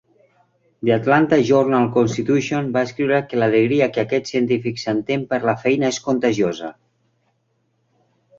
"The Atlanta Journal-Constitution" va escriure que "l'alegria que aquests científics senten per la feina és contagiosa".